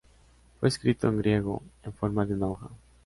Fue escrito en griego, en forma de una hoja.